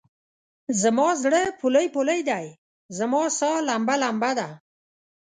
زما زړه پولۍ پولی دی، زما سا لمبه لمبه ده